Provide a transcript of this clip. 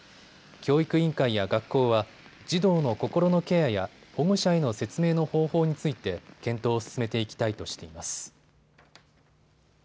教育委員会や学校は児童の心のケアや保護者への説明の方法について検討を進めていきたいとしています。